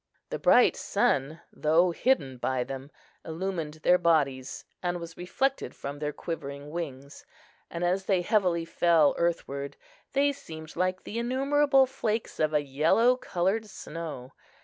The bright sun, though hidden by them, illumined their bodies, and was reflected from their quivering wings; and as they heavily fell earthward, they seemed like the innumerable flakes of a yellow coloured snow.